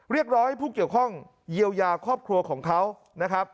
เรียกร้องให้ผู้เกี่ยวข้องเยียวยาครอบครัวของเขานะครับ